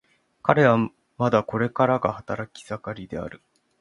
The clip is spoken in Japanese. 彼はまだこれからが働き盛りである。